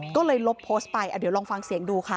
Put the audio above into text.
ก็เลยลบโพสต์ไปเดี๋ยวลองฟังเสียงดูค่ะ